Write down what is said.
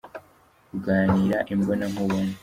kuganira imbonankubone